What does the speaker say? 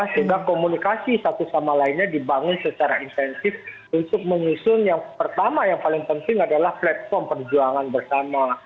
sehingga komunikasi satu sama lainnya dibangun secara intensif untuk menyusun yang pertama yang paling penting adalah platform perjuangan bersama